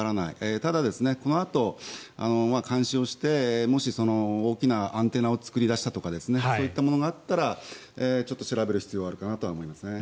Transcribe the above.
ただ、このあと監視をしてもし大きなアンテナを作り出したとかそういったところがあったら調べる必要はあるかなと思います。